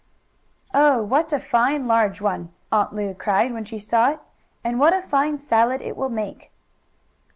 "Oh, what a fine large one!" Aunt Lu cried, when she saw it. "And what a fine salad it will make."